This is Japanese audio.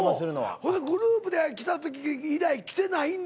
ほいでグループで来た時以来来てないんだ。